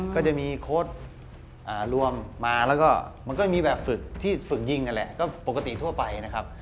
ก็จะมีโค้ดรวมมาแล้วก็มันก็มีแบบฝึกที่ฝึกยิงนั่นแหละก็ปกติทั่วไปนะครับ